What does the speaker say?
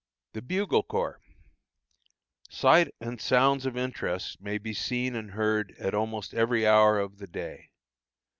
THE BUGLE CORPS. Sights and sounds of interest may be seen and heard at almost every hour of the day.